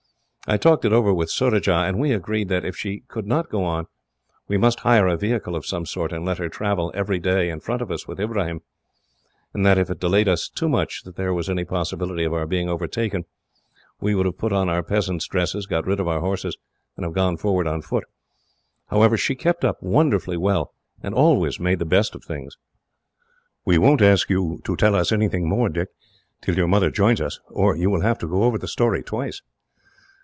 I talked it over with Surajah, and we agreed that, if she could not go on, we must hire a vehicle of some sort, and let her travel, every day, in front of us with Ibrahim, and that if it delayed us so much that there was any possibility of our being overtaken, we would have put on our peasant's dresses, got rid of our horses, and have gone forward on foot. "However, she kept up wonderfully well, and always made the best of things." "We won't ask you to tell us anything more, Dick, till your mother joins us, or you will have to go over the story twice."